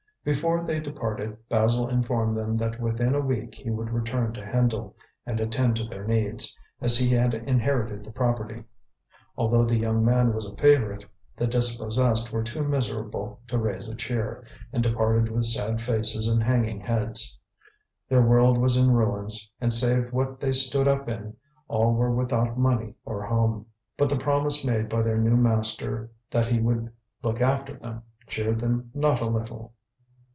Before they departed Basil informed them that within a week he would return to Hendle and attend to their needs, as he had inherited the property. Although the young man was a favourite, the dispossessed were too miserable to raise a cheer, and departed with sad faces and hanging heads. Their world was in ruins, and save what they stood up in, all were without money or home. But the promise made by their new master that he would look after them cheered them not a little.